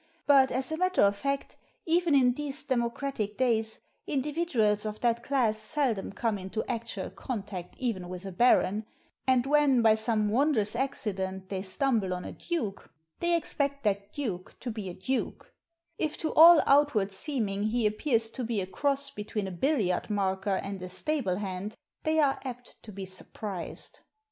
But, as a matter of fact, even in these democratic days indi viduals of that class seldom come into actual contact even with a baron, and when, by some wondrous accident, they stumble on a duke, they expect that duke to be a duke If to all outward seeming he appears to be a cross between a billiard marker and a stable hand, they are apt to be surprised.